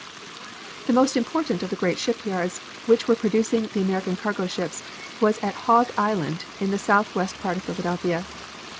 The most important of the great shipyards which were producing the American cargo ships was at Hog Island in the southwest part of Philadelphia.